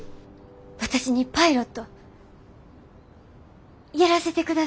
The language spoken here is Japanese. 私にパイロットやらせてください。